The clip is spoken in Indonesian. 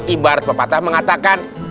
ibarat pepatah mengatakan